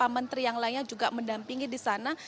menteri yang lainnya juga mendampingi di sana